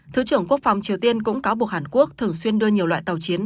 thứ trưởng quốc phòng triều tiên cũng cáo buộc hàn quốc thường xuyên đưa nhiều loại tàu chiến